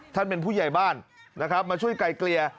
ท่านเป็นผู้ใหญ่บ้านมาช่วยไกล่เกลียร์